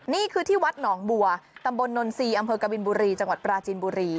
นี่คือที่วัดหนองบัวตำบลนนทรีย์อำเภอกบินบุรีจังหวัดปราจินบุรี